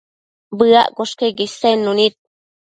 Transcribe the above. Bëaccosh queque isednu nid